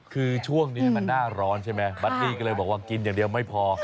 คือช่วงนี้มันหน้าร้อนใช่ไหมบัตตี้ก็เลยบอกว่ากินอย่างเดียวไม่พอ